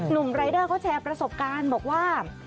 หนุ่มรายเดอร์เขาแชร์ประสบการณ์บอกว่า